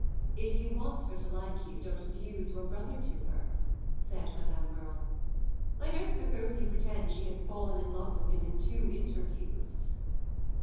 "If you want her to like you don't abuse your brother to her," said Madame Merle. "I don't suppose you pretend she has fallen in love with him in two interviews."